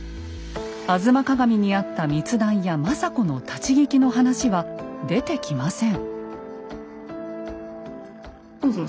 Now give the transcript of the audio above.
「吾妻鏡」にあった密談や政子の立ち聞きの話は出てきません。